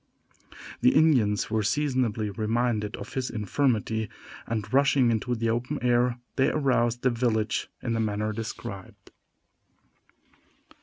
The Indians were seasonably reminded of his infirmity, and, rushing into the open air, they aroused the village in the manner described.